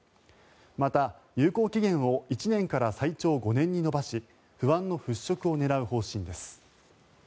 また、有効期限を１年から最長５年に延ばし不安の払しょくを狙う方針です。